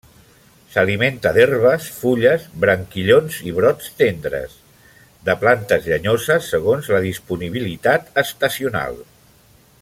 S'alimenta d'herbes, fulles, branquillons i brots tendres de plantes llenyoses segons la disponibilitat estacional.